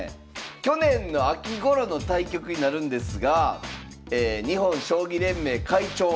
去年の秋ごろの対局になるんですが日本将棋連盟会長佐藤